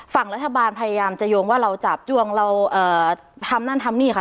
ฝั่งรัฐบาลพยายามจะโยงว่าเราจับจวงเราทำนั่นทำนี่ค่ะ